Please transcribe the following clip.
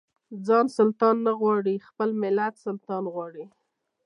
ځان سلطان نه غواړي خپل ملت سلطان غواړي.